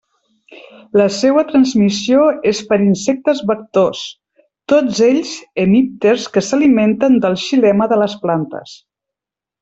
La seua transmissió és per insectes vectors, tots ells hemípters que s'alimenten del xilema de les plantes.